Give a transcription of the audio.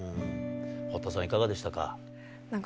堀田さん、いかがでしたか。